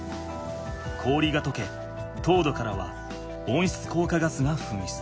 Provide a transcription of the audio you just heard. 氷がとけ凍土からは温室効果ガスがふんしゅつ。